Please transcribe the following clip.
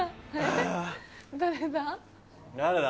誰だ？